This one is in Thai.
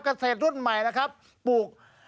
เกษตรรุ่นใหม่นะครับปลูก